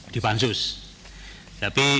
di pansus tapi